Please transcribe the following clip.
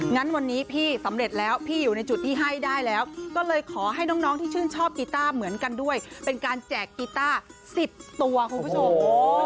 งั้นวันนี้พี่สำเร็จแล้วพี่อยู่ในจุดที่ให้ได้แล้วก็เลยขอให้น้องที่ชื่นชอบกีต้าเหมือนกันด้วยเป็นการแจกกีต้า๑๐ตัวคุณผู้ชม